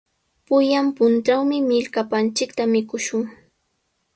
Pullan puntrawmi millkapanchikta mikushun.